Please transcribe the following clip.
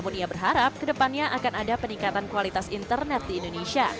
dia berharap ke depannya akan ada peningkatan kualitas internet di indonesia